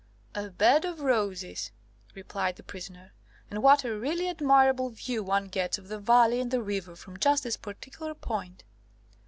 "A bed of roses," replied the prisoner. "And what a really admirable view one gets of the valley and the river, from just this particular point!"